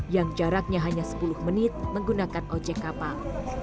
yang jaraknya hanya sepuluh menit menggunakan ojek kapal